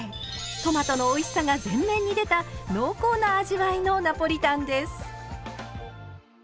トマトのおいしさが全面に出た濃厚な味わいのナポリタンです。